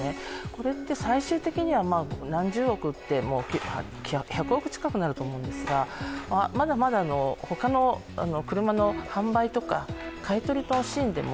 これって最終的には何十億って１００億近くなると思うんですが、まだまだ他の車の販売とか買い取りのシーンでも